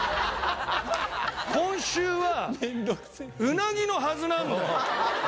「今週はうなぎのはずなんだよ！」。